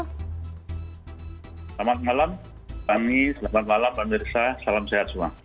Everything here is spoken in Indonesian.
selamat malam fani selamat malam pak mirsa salam sehat semua